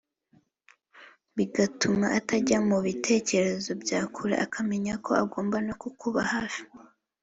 bituma atajya mu bitekerezo bya kure akamenya ko agomba no kukuba hafi